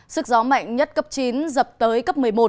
sức gió mạnh nhất cấp chín dập tới cấp một mươi một